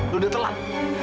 lu udah telat